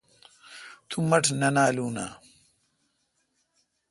تو مہ ٹھ نہ نالون آں؟